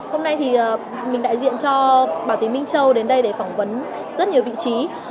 hôm nay thì mình đại diện cho bảo tín minh châu đến đây để phỏng vấn rất nhiều vị trí